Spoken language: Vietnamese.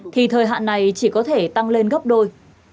thì thời hạn này chỉ có thể tăng lên gấp đôi